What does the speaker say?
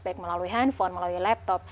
baik melalui handphone melalui laptop